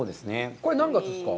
これ、何月ですか？